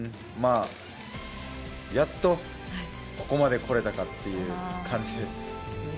やっとここまで来れたかという感じです。